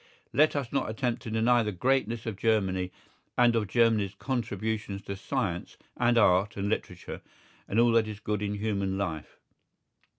Let us not attempt to deny the greatness of Germany and of Germany's contributions to science and art and literature and all that is good in human life.